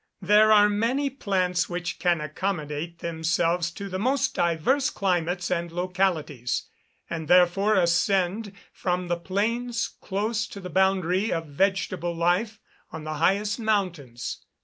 There are many plants which can accommodate themselves to the most diverse climates and localities; and therefore ascend from the plains close to the boundary of vegetable life on the highest mountains.